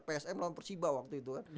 psm lawan persiba waktu itu kan